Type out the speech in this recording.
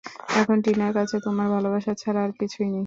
এখন টিনার কাছে তোমার ভালবাসা ছাড়া, আর কিছুই নেই।